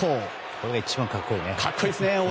これが一番格好いいですね。